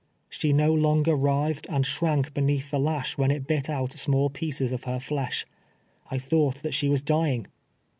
She no longer writhed and shrank beneath the lash Avhen it bit out small pieces of her flesh. I thought that she was dying!